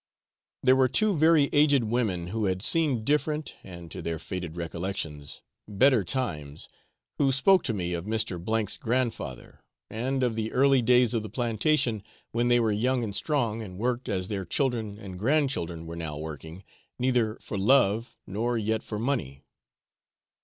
There were two very aged women, who had seen different, and to their faded recollections better, times, who spoke to me of Mr. 's grandfather, and of the early days of the plantation, when they were young and strong, and worked as their children and grandchildren were now working, neither for love nor yet for money.